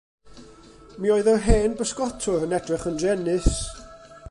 Mi oedd yr hen bysgotwr yn edrych yn druenus.